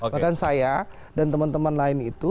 bahkan saya dan teman teman lain itu